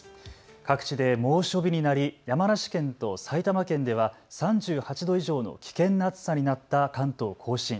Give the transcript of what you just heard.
各地で猛暑日になり山梨県と埼玉県では３８度以上の危険な暑さになった関東甲信。